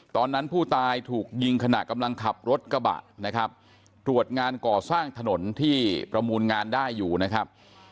ตอนนั้นผู้ตายถูกยิงขณะกำลังขับรถกระบะนะครับตรวจงานก่อสร้างถนนที่ประมูลงานได้อยู่นะครับ